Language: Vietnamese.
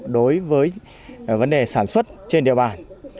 đối với vấn đề sản xuất trên địa bàn